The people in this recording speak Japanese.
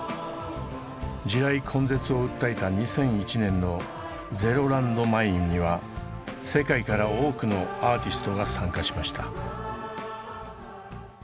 地雷根絶を訴えた２００１年の「ＺＥＲＯＬＡＮＤＭＩＮＥ」には世界から多くのアーティストが参加しました。